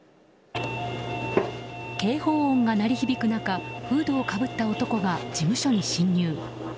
警報音が鳴り響く中フードをかぶった男が事務所に侵入。